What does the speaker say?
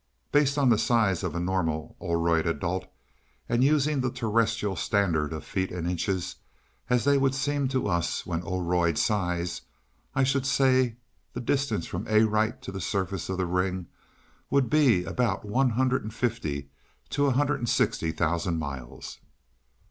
"Based on the size of a normal Oroid adult, and using the terrestrial standard of feet and inches as they would seem to us when Oroid size, I should say the distance from Arite to the surface of the ring would be about one hundred and fifty to a hundred and sixty thousand miles."